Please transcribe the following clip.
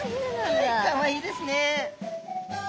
かわいいですね。